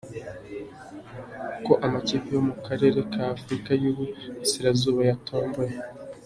Uko amakipe yo mu Karere ka Afurika y’Uburasirazuba yatomboye